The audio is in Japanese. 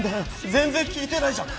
全然効いてないじゃん。